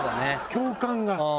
共感が。